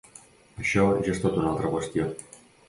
Això ja és tota una altra qüestió.